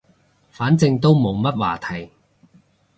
反正都冇乜話題